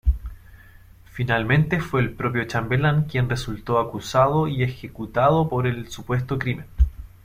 Finalmente fue el propio chambelán quien resultó acusado y ejecutado por el supuesto crimen.